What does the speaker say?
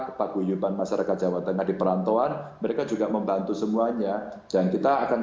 kepaguyuban masyarakat jawa tengah di perantauan mereka juga membantu semuanya dan kita akan